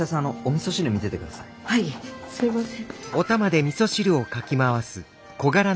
はいすいません。